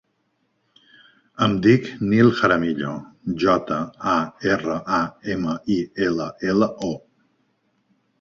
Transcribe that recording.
Em dic Nil Jaramillo: jota, a, erra, a, ema, i, ela, ela, o.